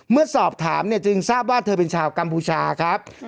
เมื่อสอบถามเนี่ยจึงทราบว่าเธอเป็นชาวกัมพูชาครับ